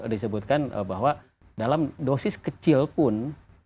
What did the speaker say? disebutkan bahwa dalam dosis kecil pun